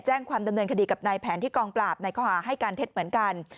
แจ้งความดำเนินคดีกับนายแผนที่กองปราบในข้อหาให้การเท็จเหมือนกัน